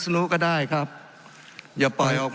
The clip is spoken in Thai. ทั้งสองกรณีผลเอกประยุทธ์